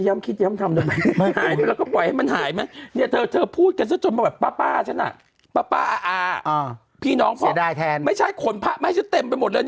ไม่ตกบริเวณนี้คุณแม่จริงหาแล้ว